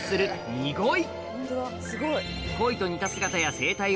ニゴイ。